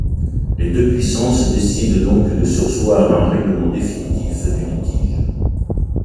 Les deux puissances décident donc de surseoir à un règlement définitif du litige.